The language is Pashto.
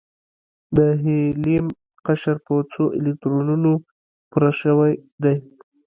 د هیلیم قشر په څو الکترونونو پوره شوی دی؟